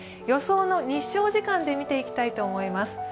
予想の日照時間で見ていきたいと思います。